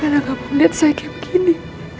karena gak mau ngeliat saya kayak begini